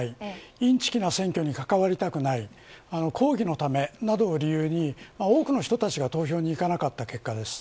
インチキな選挙に関わりたくない抗議のためなどを理由に多くの人たちが投票に行かなかった結果です。